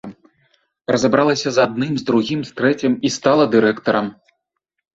Разабралася з адным, з другім, з трэцім, і стала дырэктарам.